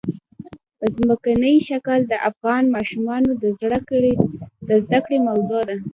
ځمکنی شکل د افغان ماشومانو د زده کړې موضوع ده.